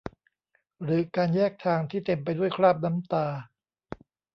หรือการแยกทางที่เต็มไปด้วยคราบน้ำตา